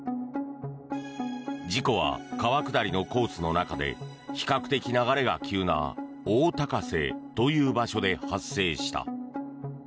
事故は川下りのコースの中で比較的流れが急な大高瀬という場所で発生した。